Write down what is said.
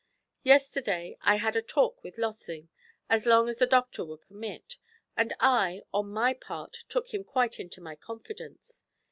Yesterday I had a talk with Lossing, as long as the doctor would permit, and I, on my part, took him quite into my confidence.